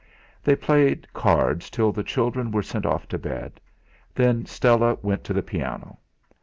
They played cards till the children were sent off to bed; then Stella went to the piano.